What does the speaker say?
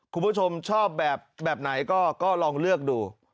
คุณผู้ชมชอบแบบไหนก็ลองเลือกดู